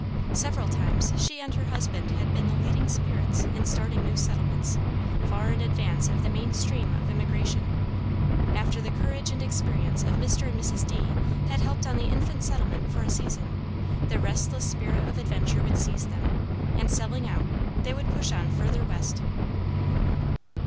Several times she and her husband had been the leading spirits in starting new settlements far in advance of the main stream of immigration: after the courage and experience of Mr. and Mrs. D. had helped on the infant settlement for a season, the restless spirit of adventure would seize them, and selling out, they would push on further west.